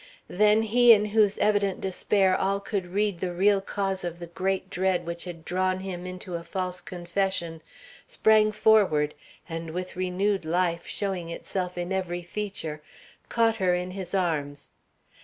Then he in whose evident despair all could read the real cause of the great dread which had drawn him into a false confession, sprang forward, and with renewed life showing itself in every feature, caught her in his arms.